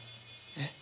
えっ？